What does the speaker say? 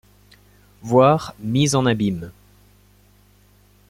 Voir Mise en abyme.